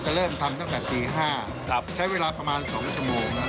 เริ่มทำตั้งแต่ตี๕ใช้เวลาประมาณ๒ชั่วโมง